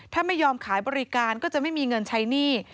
ถ้าไม่ยอมขายบริการก็จะไม่มีเงินใช้หนี้